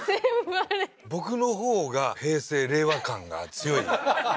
僕のほうが平成令和感が強いですね